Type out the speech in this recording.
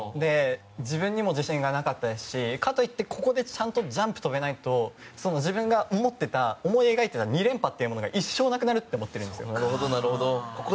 自分にも自信がなかったですしかといって、ここでちゃんとジャンプ跳べないと自分が思い描いてた２連覇というものが一生なくなるって思ってるんですよ。